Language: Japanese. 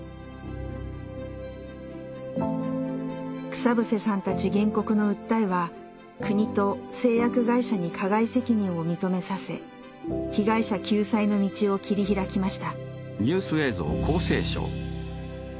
草伏さんたち原告の訴えは国と製薬会社に加害責任を認めさせ被害者救済の道を切り開きました。